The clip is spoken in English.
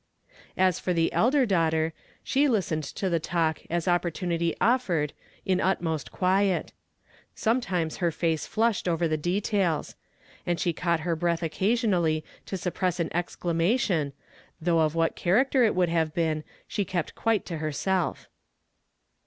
As for the elder daughter, she listened to the talk as opportunity offered in utmost quiet. Some times her face flushed over the details ; and she caught her breath occasionidly to suppress an exclamation, though of what character it would have been, she kept quite to hei self.